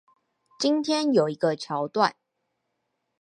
今天有一個橋段